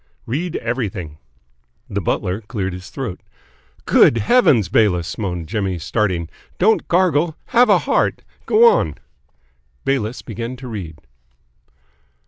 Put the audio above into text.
"Read everything." The butler cleared his throat. "Good Heavens, Bayliss," moaned Jimmy, starting, "don't gargle. Have a heart! Go on!" Bayliss began to read.